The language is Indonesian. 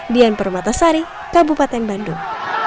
dian permatasari kabupaten bandung